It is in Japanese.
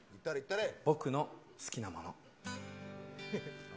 僕の好きなもの。